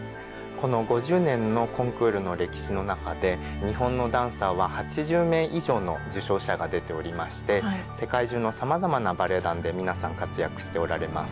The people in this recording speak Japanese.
この５０年のコンクールの歴史の中で日本のダンサーは８０名以上の受賞者が出ておりまして世界中のさまざまなバレエ団で皆さん活躍しておられます。